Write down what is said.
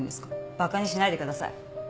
バカにしないでください。